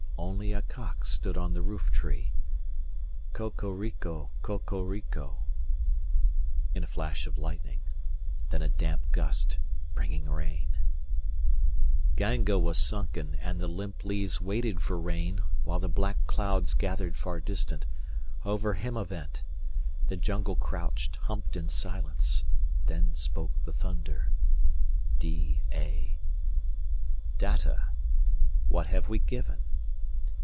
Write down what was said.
390 Only a cock stood on the roof tree Co co rico co co rico In a flash of lightning. Then a damp gust Bringing rain Ganga was sunken, and the limp leaves 395 Waited for rain, while the black clouds Gathered far distant, over Himavant. The jungle crouched, humped in silence. Then spoke the thunder DA 400 Datta: what have we given?